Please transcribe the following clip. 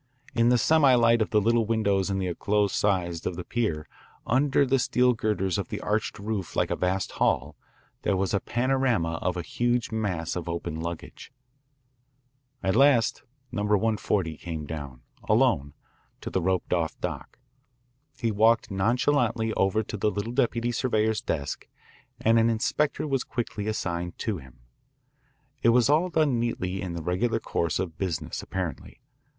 In the semi light of the little windows in the enclosed sides of the pier, under the steel girders of the arched roof like a vast hall, there was a panorama of a huge mass of open luggage. At last Number 140 came down, alone, to the roped off dock. He walked nonchalantly over to the little deputy surveyor's desk, and an inspector was quickly assigned to him. It was all done neatly in the regular course of business apparently.